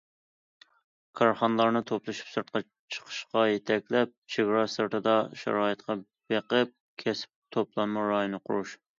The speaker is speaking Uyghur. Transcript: كارخانىلارنى توپلىشىپ سىرتقا چىقىشقا يېتەكلەپ، چېگرا سىرتىدا شارائىتقا بېقىپ كەسىپ توپلانما رايونى قۇرۇش.